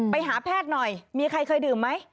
ไปหาแพทย์หน่อยมีใครเคยดื่มไหม